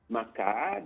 maka dalam posisi ini